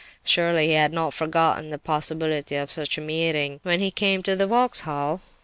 Surely he had not forgotten the possibility of such a meeting when he came to the Vauxhall?